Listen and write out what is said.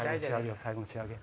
最後の仕上げ。